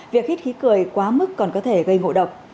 việc hít khí cười quá mức còn có thể gây ngộ độc